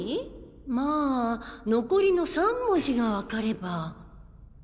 まぁ残りの３文字がわかれば。